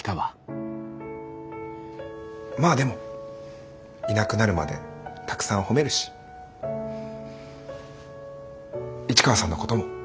まあでもいなくなるまでたくさん褒めるし市川さんのことも。